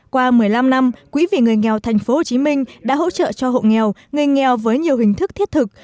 qua một mươi năm năm quỹ vì người nghèo tp hcm đã hỗ trợ cho hộ nghèo người nghèo với nhiều hình thức thiết thực